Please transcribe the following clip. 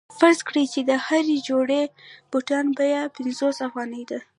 فرض کړئ چې د هرې جوړې بوټانو بیه پنځوس افغانۍ ده